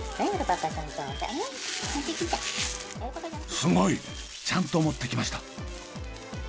すごい！ちゃんと持ってきました！